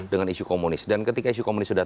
dengan isu komunis dan ketika isu komunis sudah